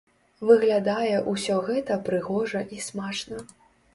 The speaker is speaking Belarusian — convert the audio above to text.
Выглядае ўсё гэта прыгожа і смачна.